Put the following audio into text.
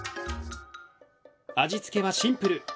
味付けはシンプル！